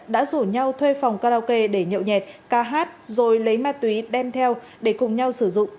đã rủ nhau thuê phòng karaoke để nhậu nhẹt ca hát rồi lấy ma túy đem theo để cùng nhau sử dụng